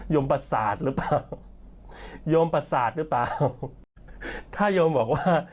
โยมปราศาสตร์หรือเปล่าโยมปราศาสตร์หรือเปล่าถ้าโยมบอกว่า